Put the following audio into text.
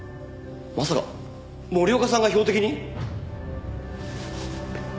まさか森岡さんが標的に？